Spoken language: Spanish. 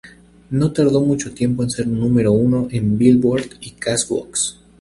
No tardó mucho tiempo en ser número uno en "Billboard" y "Cash Box".